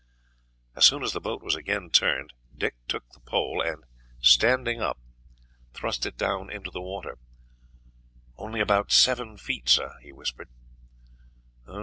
As soon as the boat was again turned, Dick took the pole, and, standing up, thrust it down into the water. "Only about seven feet, sir," he whispered.